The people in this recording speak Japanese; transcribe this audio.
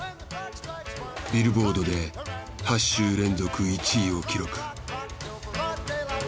ビルボードで８週連続１位を記録。